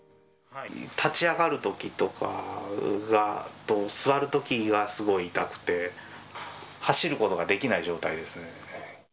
立ち上がるときとかと、座るときはすごい痛くて、走ることができない状態ですね。